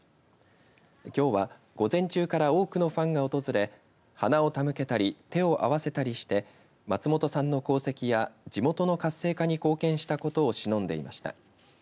きょうは午前中から多くのファンが訪れ花を手向けたり手を合わせたりして松本さんの功績や地元の活性化に貢献したことをしのんでいました。